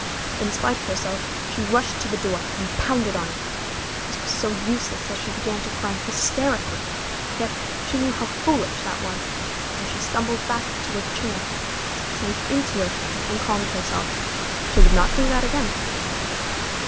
In spite of herself, she rushed to the door, and pounded on it. This was so useless that she began to cry hysterically. Yet she knew how foolish that was, and she stumbled back to her chair, sank into it, and calmed herself. She would not do that again.